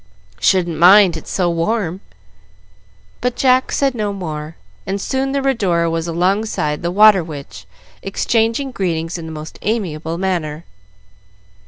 "Shouldn't mind, its so warm." But Jack said no more, and soon the "Rhodora" was alongside the "Water Witch," exchanging greetings in the most amiable manner.